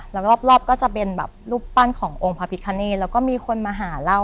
แล้วรอบก็จะเป็นแบบรูปปั้นขององค์พระพิคเนธแล้วก็มีคนมาหาเรา